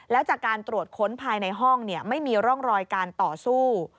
แล้วจากการตรวจค้นภายในห้องไม่มีร่องรอยการต่อสู้